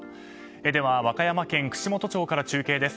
では、和歌山県串本町から中継です。